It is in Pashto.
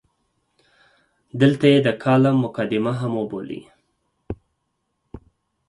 دلته یې د کالم مقدمه هم وبولئ.